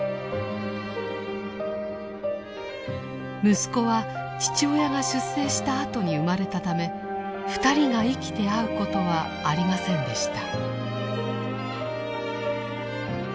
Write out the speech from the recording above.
息子は父親が出征したあとに生まれたため２人が生きて会うことはありませんでした。